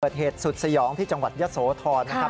เหตุสุดสยองที่จังหวัดยะโสธรนะครับ